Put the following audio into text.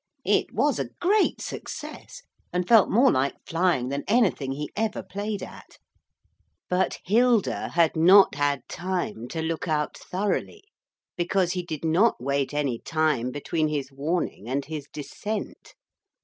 It was a great success, and felt more like flying than anything he ever played at. But Hilda had not had time to look out thoroughly, because he did not wait any time between his warning and his descent.